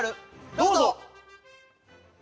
どうぞ！